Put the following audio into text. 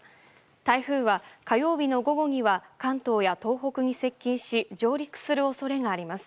台風は火曜日の午後には関東や東北に接近し上陸する恐れがあります。